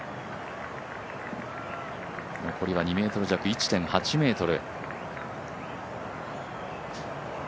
残りは２ｍ弱、１．８ｍ。